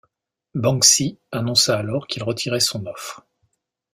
Banksy annonça alors qu'il retirait son offre.